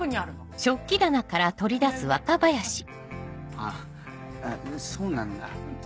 あぁそうなんだ。